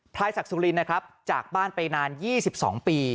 ศักดิ์สุรินนะครับจากบ้านไปนาน๒๒ปี